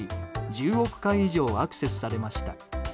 １０億回以上アクセスされました。